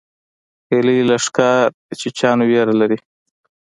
هیلۍ له ښکار چیانو ویره لري